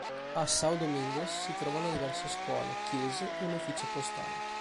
A São Domingos si trovano diverse scuole, chiese e un ufficio postale.